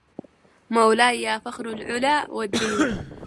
مولاي يا فخر العلى والدين